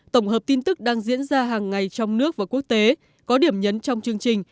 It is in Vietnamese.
tổng hợp tin tức đang diễn ra hàng ngày trong nước và quốc tế có điểm nhấn trong chương trình